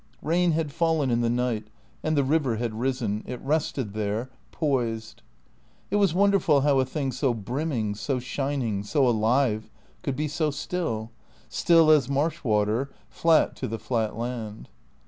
Rain had fallen in the night, and the river had risen; it rested there, poised. It was wonderful how a thing so brimming, so shining, so alive could be so still; still as marsh water, flat to the flat land.